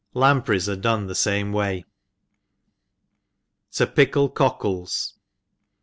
— Lampreys are dono the fame way. •» To pickle Cockles.